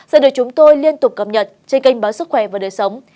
sẽ được chúng tôi liên tục cập nhật trên kênh báo sức khỏe và đời sống